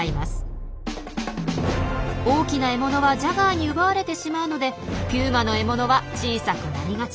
大きな獲物はジャガーに奪われてしまうのでピューマの獲物は小さくなりがち。